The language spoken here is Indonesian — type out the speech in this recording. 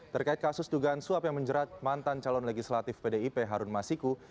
terkait kasus dugaan suap yang menjerat mantan calon legislatif pdip harun masiku